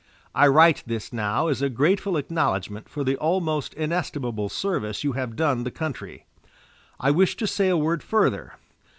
I write this now as a grateful acknowledgment for the almost inestimable service you have done the country. I wish to say a word further.